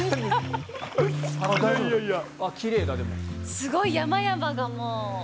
すごい山々がもう。